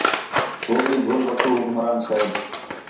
ہو بھی گھل وٹھو حکمران صاحب